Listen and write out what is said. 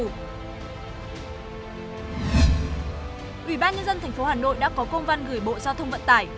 ủy ban nhân dân thành phố hà nội đã có công văn gửi bộ giao thông vận tải